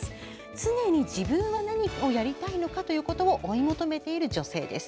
常に自分は何をやりたいのかということを追い求めている女性です。